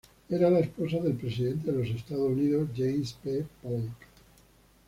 Era la esposa del presidente de los Estados Unidos, James K. Polk.